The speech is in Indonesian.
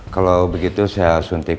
kalau begitu saya suntik